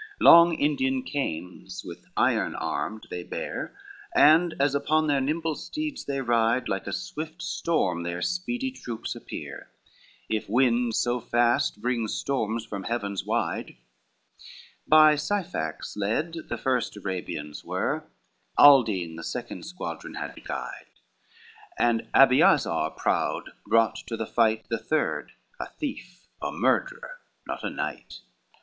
XXII Long Indian canes, with iron armed, they bear, And as upon their nimble steeds they ride, Like a swift storm their speedy troops appear, If winds so fast bring storms from heavens wide: By Syphax led the first Arabians were; Aldine the second squadron had no guide, And Abiazar proud, brought to the fight The third, a thief, a murderer, not a knight.